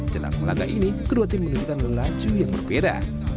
jelang laga ini kedua tim menunjukkan laju yang berbeda